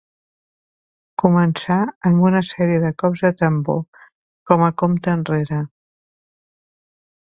Començà amb una sèrie de cops de tambor com a compte enrere.